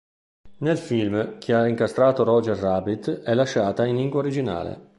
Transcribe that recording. Nel film "Chi ha incastrato Roger Rabbit" è lasciata in lingua originale.